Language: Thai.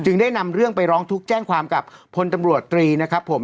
ได้นำเรื่องไปร้องทุกข์แจ้งความกับพลตำรวจตรีนะครับผม